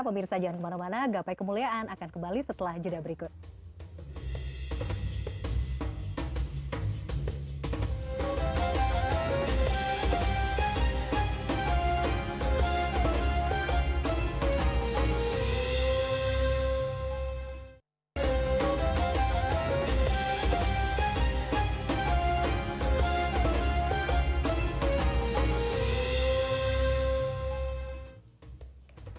pemirsa jangan kemana mana gapai kemuliaan akan kembali setelah jeda berikut